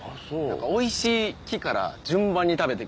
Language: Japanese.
おいしい木から順番に食べていくんですよ。